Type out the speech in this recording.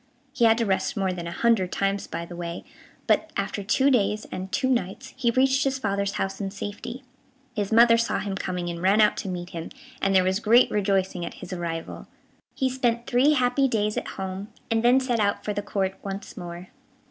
He had to rest more than a hundred times by the way, but, after two days and two nights, he reached his father's house in safety. His mother saw him coming, and ran out to meet him, and there was great rejoicing at his arrival. He spent three happy days at home, and then set out for the Court once more.